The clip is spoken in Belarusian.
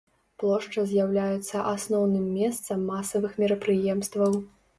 Плошча з'яўляецца асноўным месцам масавых мерапрыемстваў.